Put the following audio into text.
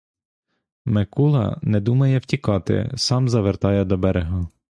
Микула не думає втікати, сам завертає до берега.